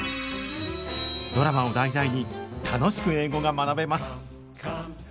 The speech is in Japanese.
ドラマを題材に楽しく英語が学べます。